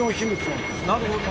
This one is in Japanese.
なるほど。